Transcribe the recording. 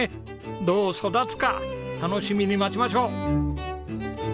どう育つか楽しみに待ちましょう！